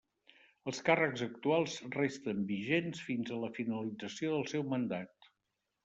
Els càrrecs actuals resten vigents fins a la finalització del seu mandat.